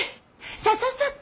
さささっと！